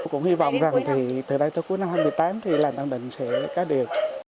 cũng hy vọng rằng thì từ đây tới cuối năm hai nghìn một mươi tám thì là tân định sẽ có điện